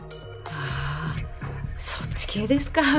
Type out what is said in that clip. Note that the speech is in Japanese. ああそっち系ですか。